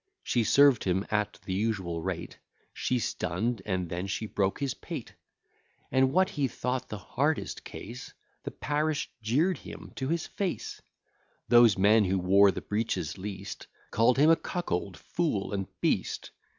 She served him at the usual rate; She stunn'd, and then she broke his pate: And what he thought the hardest case, The parish jeer'd him to his face; Those men who wore the breeches least, Call'd him a cuckold, fool, and beast.